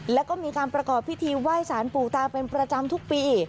แล้วก็มีการประกอบพิธีไหว้สารปู่ตาเป็นประจำทุกปี